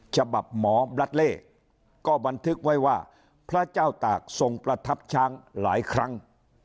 ฉบับหมอบลัดเล่ก็บันทึกไว้ว่าพระเจ้าตากทรงประทับช้างหลายครั้ง